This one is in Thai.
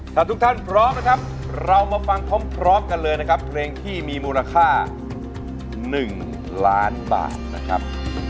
ถ้าทุกท่านพร้อมนะครับเรามาฟังพร้อมกันเลยนะครับเพลงที่มีมูลค่า๑ล้านบาทนะครับ